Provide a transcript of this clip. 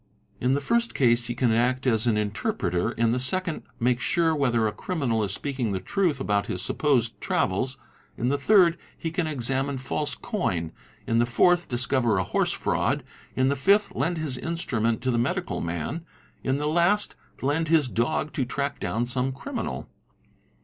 In the first case he can act as an interpreter, in the second make sure whether a criminal is speaking the truth about his supposed travels, in the third he can examine false coin, in the fourth discover a horse fraud, in the fifth lend his instrument to the medical man, and in the last lend his dog to track down some criminal.